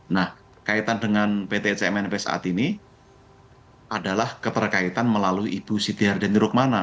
nah kaitan dengan pt cmnp saat ini adalah keterkaitan melalui ibu siti harden rukmana